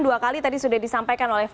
dua kali tadi sudah disampaikan oleh